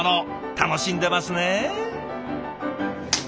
楽しんでますね。